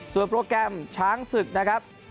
ส่วนโปรแกรมช้างศึกนะครับ